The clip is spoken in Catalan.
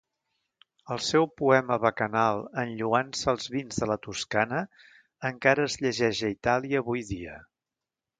El seu poema bacanal en lloança als vins de la Toscana encara es llegeix a Itàlia avui dia.